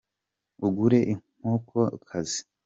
Ugure inkoko kazi.